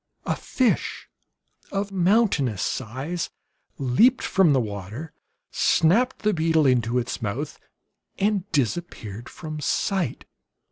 A fish of mountainous size leaped from the water, snapped the beetle into its mouth, and disappeared from sight.